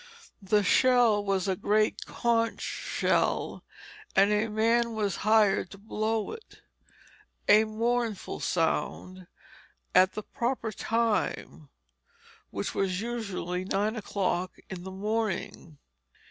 The shell was a great conch shell, and a man was hired to blow it a mournful sound at the proper time, which was usually nine o'clock in the morning.